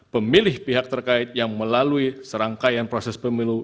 pemilih pihak terkait yang melalui serangkaian proses pemilu